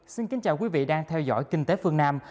xin kính chào quý vị đang theo dõi kinh tế phương nam